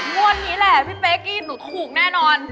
งวดนี้แหละพี่เป๊กกี้หนูถูกแน่นอน